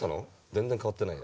全然変わってない。